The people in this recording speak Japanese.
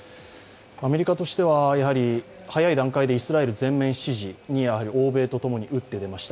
アメリカとしては早い段階でイスラエル全面支持に欧米とともに打って出ました。